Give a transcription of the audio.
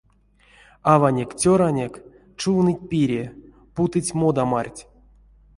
Аванек-цёранек чувныть пире, путыть модамарть.